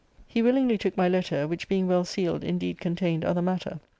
He willingly took my letter, which, btfing well sealed, indeed con tained other matter.